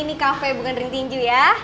ini kafe bukan ring tinju ya